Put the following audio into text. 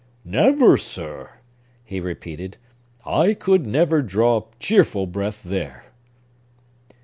"Never, sir!" he repeated. "I could never draw cheerful breath there!"